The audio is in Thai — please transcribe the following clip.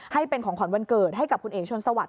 ให้เป็นของขวัญวันเกิดให้กับคุณเอ๋ชนสวัสด